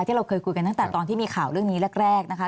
ที่เราเคยคุยกันตั้งแต่ตอนที่มีข่าวเรื่องนี้แรกนะคะ